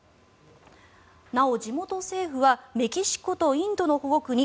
なお、地元政府はメキシコとインドの保護区に